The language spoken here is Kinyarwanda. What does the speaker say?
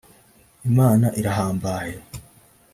Imana irahambaye'